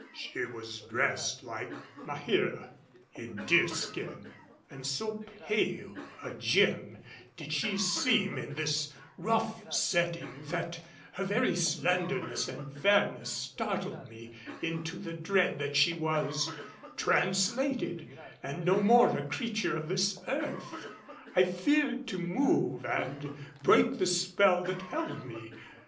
She was dressed, like Maheera, in deerskin; and so pale a gem did she seem in this rough setting that her very slenderness and fairness startled me into the dread that she was translated, and no more a creature of this earth. I feared to move and break the spell that held me.